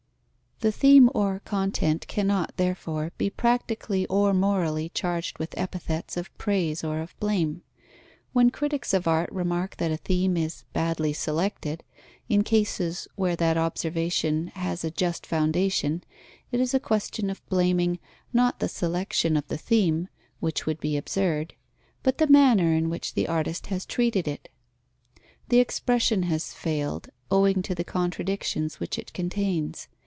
_ The theme or content cannot, therefore, be practically or morally charged with epithets of praise or of blame. When critics of art remark that a theme is badly selected, in cases where that observation has a just foundation, it is a question of blaming, not the selection of the theme (which would be absurd), but the manner in which the artist has treated it. The expression has failed, owing to the contradictions which it contains.